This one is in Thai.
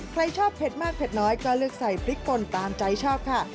ใครชอบเผ็ดมากเผ็ดน้อยก็เลือกใส่พริกปนตามใจชอบค่ะ